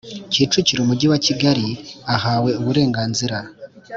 Kicukiro Umujyi wa Kigali ahawe uburenganzira